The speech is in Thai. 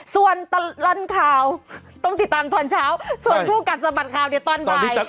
ส่วนตลอดข่าวต้องติดตามตอนเช้าส่วนคู่กัดสะบัดข่าวเดี๋ยวตอนบ่าย